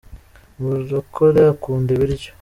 Murokore akunda ibiryo.